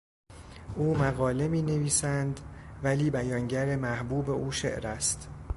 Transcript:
او مقاله مینویسند ولی بیانگر محبوب او شعر است.